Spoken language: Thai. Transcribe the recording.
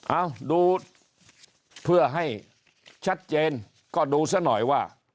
เอ้าดูเพื่อให้ชัดเจนก็ดูซะหน่อยว่า